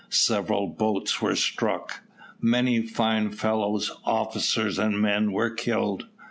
Several boats were struck. Many fine fellows, officers and men, were killed.